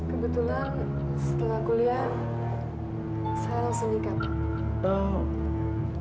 kebetulan saya baru saja cerai pak